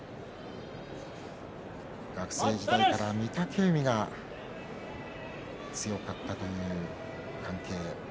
学生時代から御嶽海が強かったという関係。